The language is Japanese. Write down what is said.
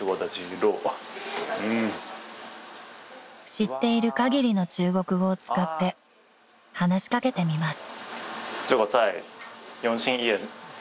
［知っているかぎりの中国語を使って話し掛けてみます］